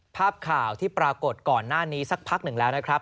ภาพข่าวที่ปรากฏก่อนหน้านี้สักพักหนึ่งแล้วนะครับ